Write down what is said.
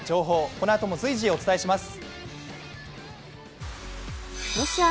このあとも随時お伝えします。